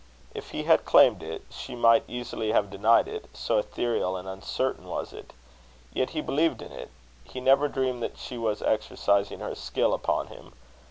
If he had claimed it, she might easily have denied it, so ethereal and uncertain was it. Yet he believed in it. He never dreamed that she was exercising her skill upon him.